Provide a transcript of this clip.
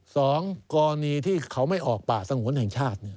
สองกรณีที่เขาไม่ออกป่าสงวนแห่งชาติ